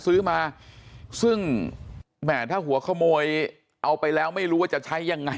ซื้อมาซึ่งแหมถ้าหัวขโมยเอาไปแล้วไม่รู้ว่าจะใช้ยังไง